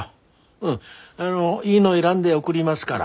うんあのいいの選んで送りますから。